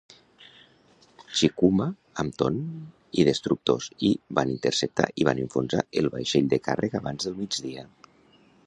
"Chikuma", amb "Tone", i destructors i van interceptar i van enfonsar el vaixell de càrrega abans del migdia.